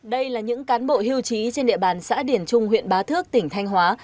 đây là những cán bộ hưu trí trên địa bàn xã điển trung huyện bá thước tỉnh thanh hóa